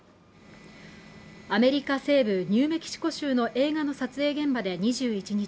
アメリカ西部ニューメキシコ州の映画の撮影現場で２１日